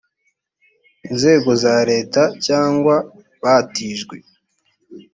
inzego za leta cyangwa batijwe